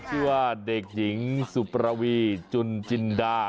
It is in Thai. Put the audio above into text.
ชื่อว่าเด็กหญิงสุประวีจุนจินดา